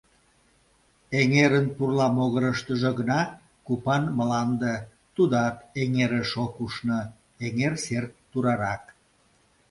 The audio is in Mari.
Эҥерын пурла могырыштыжо гына купан мланде, тудат эҥерыш ок ушно, эҥер сер турарак.